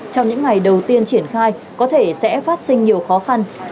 trong những ngày đầu tiên triển khai có thể sẽ phát sinh nhiều khó khăn